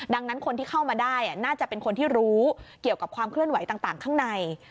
ดังนั้นคนที่เข้ามาได้น่าจะเป็นคนที่รู้เกี่ยวกับความเคลื่อนไหวต่างข้างใน